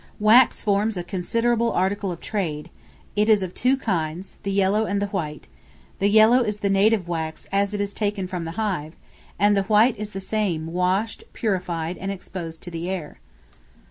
Wax forms a considerable article of trade; it is of two kinds, the yellow and the white; the yellow is the native wax as it is taken from the hive, and the white is the same washed, purified, and exposed to the air.